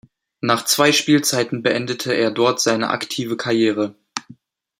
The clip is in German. Nach zwei Spielzeiten beendete er dort seine aktive Karriere.